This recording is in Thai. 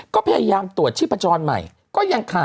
ดื่มน้ำก่อนสักนิดใช่ไหมคะคุณพี่